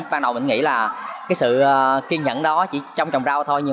ban đầu mình nghĩ là cái sự kiên nhẫn đó chỉ trong trồng rau thôi